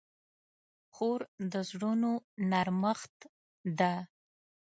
خور د زړونو نرمښت ده.